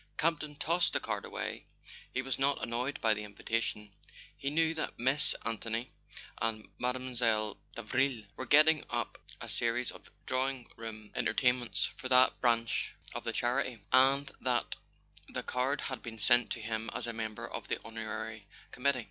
Campton tossed the card away. He was not annoyed by the invitation: he knew that Miss Anthony and Mile. Davril were getting up a series of drawing room [ 195 ] A SON AT THE FRONT entertainments for that branch of the charity, and that the card had been sent to him as a member of the Honorary Committee.